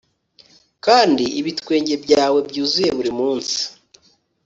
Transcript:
kandi ibitwenge byawe byuzuye buri munsi